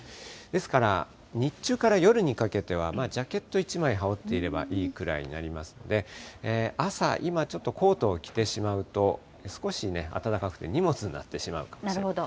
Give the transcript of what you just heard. ですから日中から夜にかけては、ジャケット１枚羽織っていればいいくらいになりますので、朝、今、ちょっとコートを着てしまうと、少しね、暖かくて荷物になってしまうかもしれない。